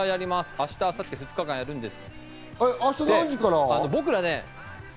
明日、明後日、２日間やるんです。